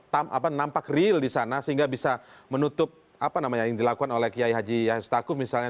apa nampak real di sana sehingga bisa menutup apa namanya yang dilakukan oleh kiai haji yahya stakuf misalnya